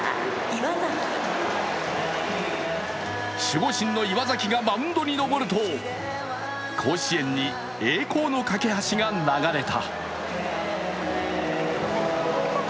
守護神の岩崎がマウンドに上ると甲子園に「栄光の架橋」が流れた。